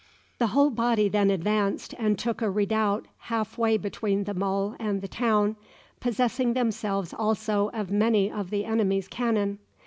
The whole body then advanced and took a redoubt half way between the Mole and the town, possessing themselves also of many of the enemy's cannon.